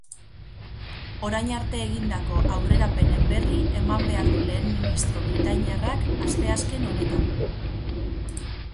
Orain arte egindako aurrerapenen berri eman behar du lehen ministro britainiarrak asteazken honetan.